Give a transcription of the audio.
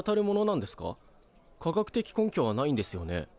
科学的根拠はないんですよね？